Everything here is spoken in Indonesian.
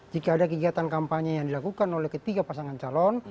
jika ada kegiatan kampanye yang dilakukan oleh ketiga pasangan calon